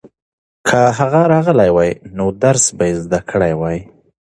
که هغه راغلی وای نو درس به یې زده کړی وای.